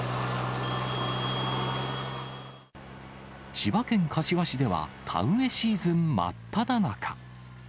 千葉県柏市では田植えシーズン真っただ中。